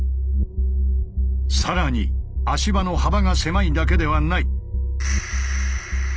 さらに足場の幅が狭いだけではない。